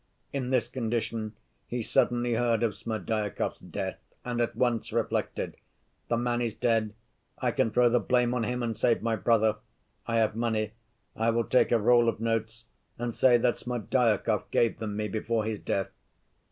In this condition he suddenly heard of Smerdyakov's death, and at once reflected, 'The man is dead, I can throw the blame on him and save my brother. I have money. I will take a roll of notes and say that Smerdyakov gave them me before his death.